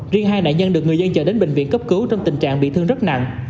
riêng hai nạn nhân được người dân chờ đến bệnh viện cấp cứu trong tình trạng bị thương rất nặng